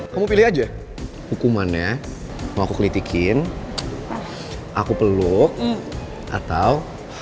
kamu pilih aja hukumannya mau aku kritik aku peluk atau